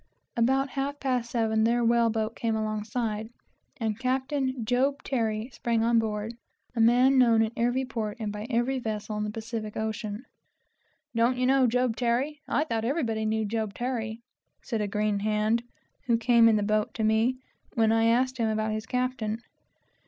About half past seven their whale boat came alongside, and Captain Job Terry sprang on board, a man known in every port and by every vessel in the Pacific ocean. "Don't you know Job Terry? I thought everybody knew Job Terry," said a green hand, who came in the boat, to me, when I asked him about his captain.